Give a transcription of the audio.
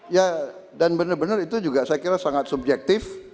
ya dan benar benar itu juga saya kira sangat subjektif